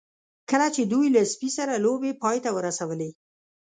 کله چې دوی له سپي سره لوبې پای ته ورسولې